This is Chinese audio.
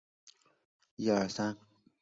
上巴鲁是巴西巴伊亚州的一个市镇。